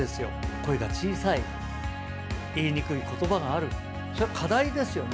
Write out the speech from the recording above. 声が小さい、言いにくいことばがある、それは課題ですよね。